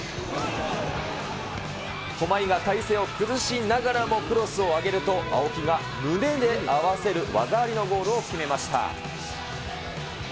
駒井が体勢を崩しながらもクロスを上げると、青木が胸で合わせる技ありのゴールを決めました。